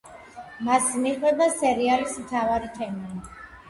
მას მიჰყვება სერიალის მთავარი თემა.